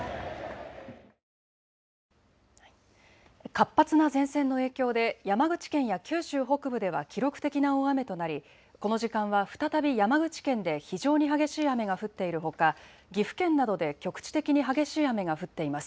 活発な前線の影響で山口県や九州北部では記録的な大雨となり、この時間は再び山口県で非常に激しい雨が降っているほか、岐阜県などで局地的に激しい雨が降っています。